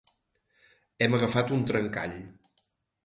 Hem agafat un trencall.